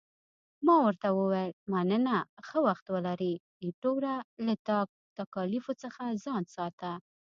ما ورته وویل، مننه، ښه وخت ولرې، ایټوره، له تکالیفو څخه ځان ساته.